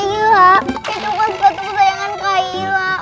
itu kan suatu kesayangan kailah